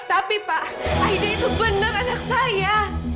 tapi pak ide itu benar anak saya